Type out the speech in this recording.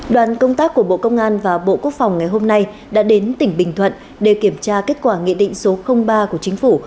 đoàn công tác của bộ công an và bộ quốc phòng ngày hôm nay đã đến tỉnh bình thuận để kiểm tra kết quả nghị định số ba của chính phủ